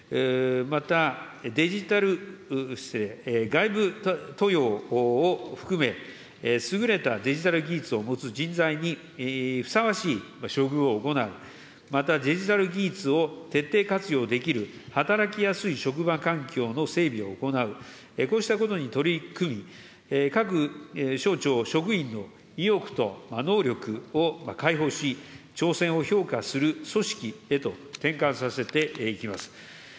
またデジタル、失礼、外部登用を含め、優れたデジタル技術を持つ人材にふさわしい処遇を行う、またデジタル技術を徹底活用できる働きやすい職場環境の整備を行う、こうしたことに取り組み、各省庁職員の意欲と能力を開放し、挑戦を評価する組織へと転換させていきます。